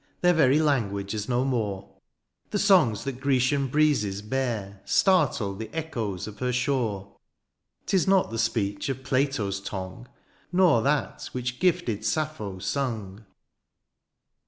Their very language is no more ; The songs that Grecian breezes bear, Startle the echoes of her shore : 'Tis not the speech of Plato^s tongue. Nor that which gifted Sappho sung.